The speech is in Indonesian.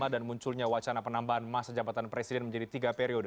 dan munculnya wacana penambahan masa jabatan presiden menjadi tiga periode